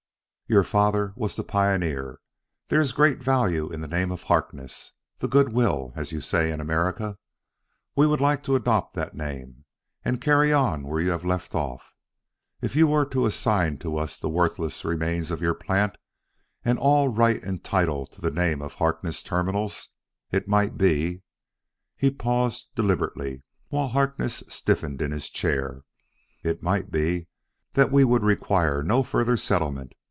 "Your father was the pioneer; there is great value in the name of Harkness the 'good will' as you say in America. We would like to adopt that name, and carry on where you have left off. If you were to assign to us the worthless remains of your plant, and all right and title to the name of Harkness Terminals, it might be " He paused deliberately while Harkness stiffened in his chair. "It might be that we would require no further settlement.